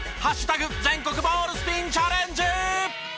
全国ボールスピンチャレンジ。